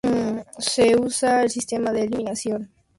Se usa el sistema de eliminación directa a partido único.